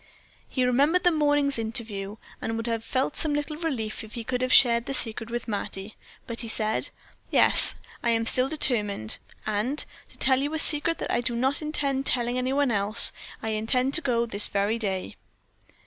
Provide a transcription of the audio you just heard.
He remembered the morning's interview, and would have felt some little relief if he could have shared the secret with Mattie; but he said: "Yes, I am still determined, and, to tell you a secret that I do not intend telling any one else. I intend to go this very day."